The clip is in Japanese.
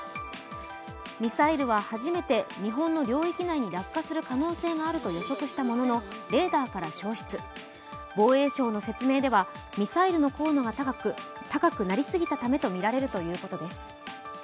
ミサイルは初めて日本の領域内に落下する可能性があると予測したものの、レーダーから消失防衛省の説明ではミサイルの高度が高くなりすぎたためとみられるということです。